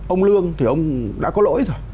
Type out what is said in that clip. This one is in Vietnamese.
ông lương thì ông đã có lỗi rồi